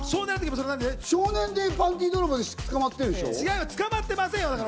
少年でパンティー泥棒で捕まってるでしょ？